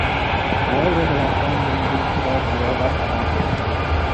واوره د افغانستان د ملي اقتصاد یوه برخه ده.